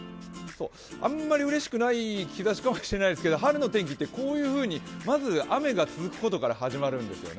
あんまりうれしくない日ざしかもしれないですけど、春の天気ってまず雨が続くことから始まるんですね。